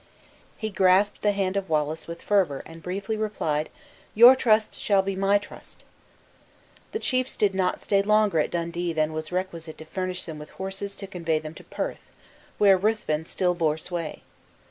He grasped the hand of Wallace with fervor, and briefly replied, "Your trust shall be my trust!" The chiefs did not stay longer at Dundee than was requisite to furnish them with horses to convey them to Perth, where Ruthven still bore sway.